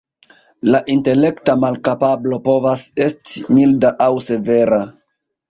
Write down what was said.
La intelekta malkapablo povas esti milda aŭ severa.